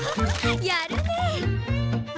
やるね！